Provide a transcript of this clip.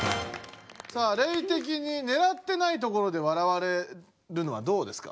さあレイ的にねらってないところで笑われるのはどうですか？